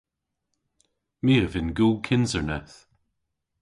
My a vynn gul kynserneth.